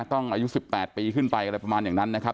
อายุ๑๘ปีขึ้นไปอะไรประมาณอย่างนั้นนะครับ